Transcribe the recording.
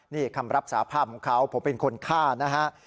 นี่คำรับสาภาพของเขาผมเป็นคนฆ่านะฮะ